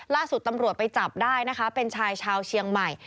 ล่าสุดตำรวจไปจับได้นะคะเป็นชายชาวเชียงใหม่